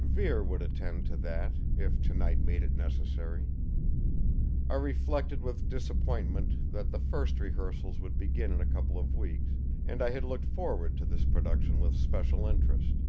Vere would attend to that, if tonight made it necessary. I reflected with disappointment that the first rehearsals would begin in a couple of weeks, and I had looked forward to this production with especial interest.